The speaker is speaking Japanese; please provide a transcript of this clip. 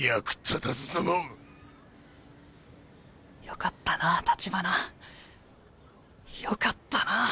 よかったなあ橘よかったなあ。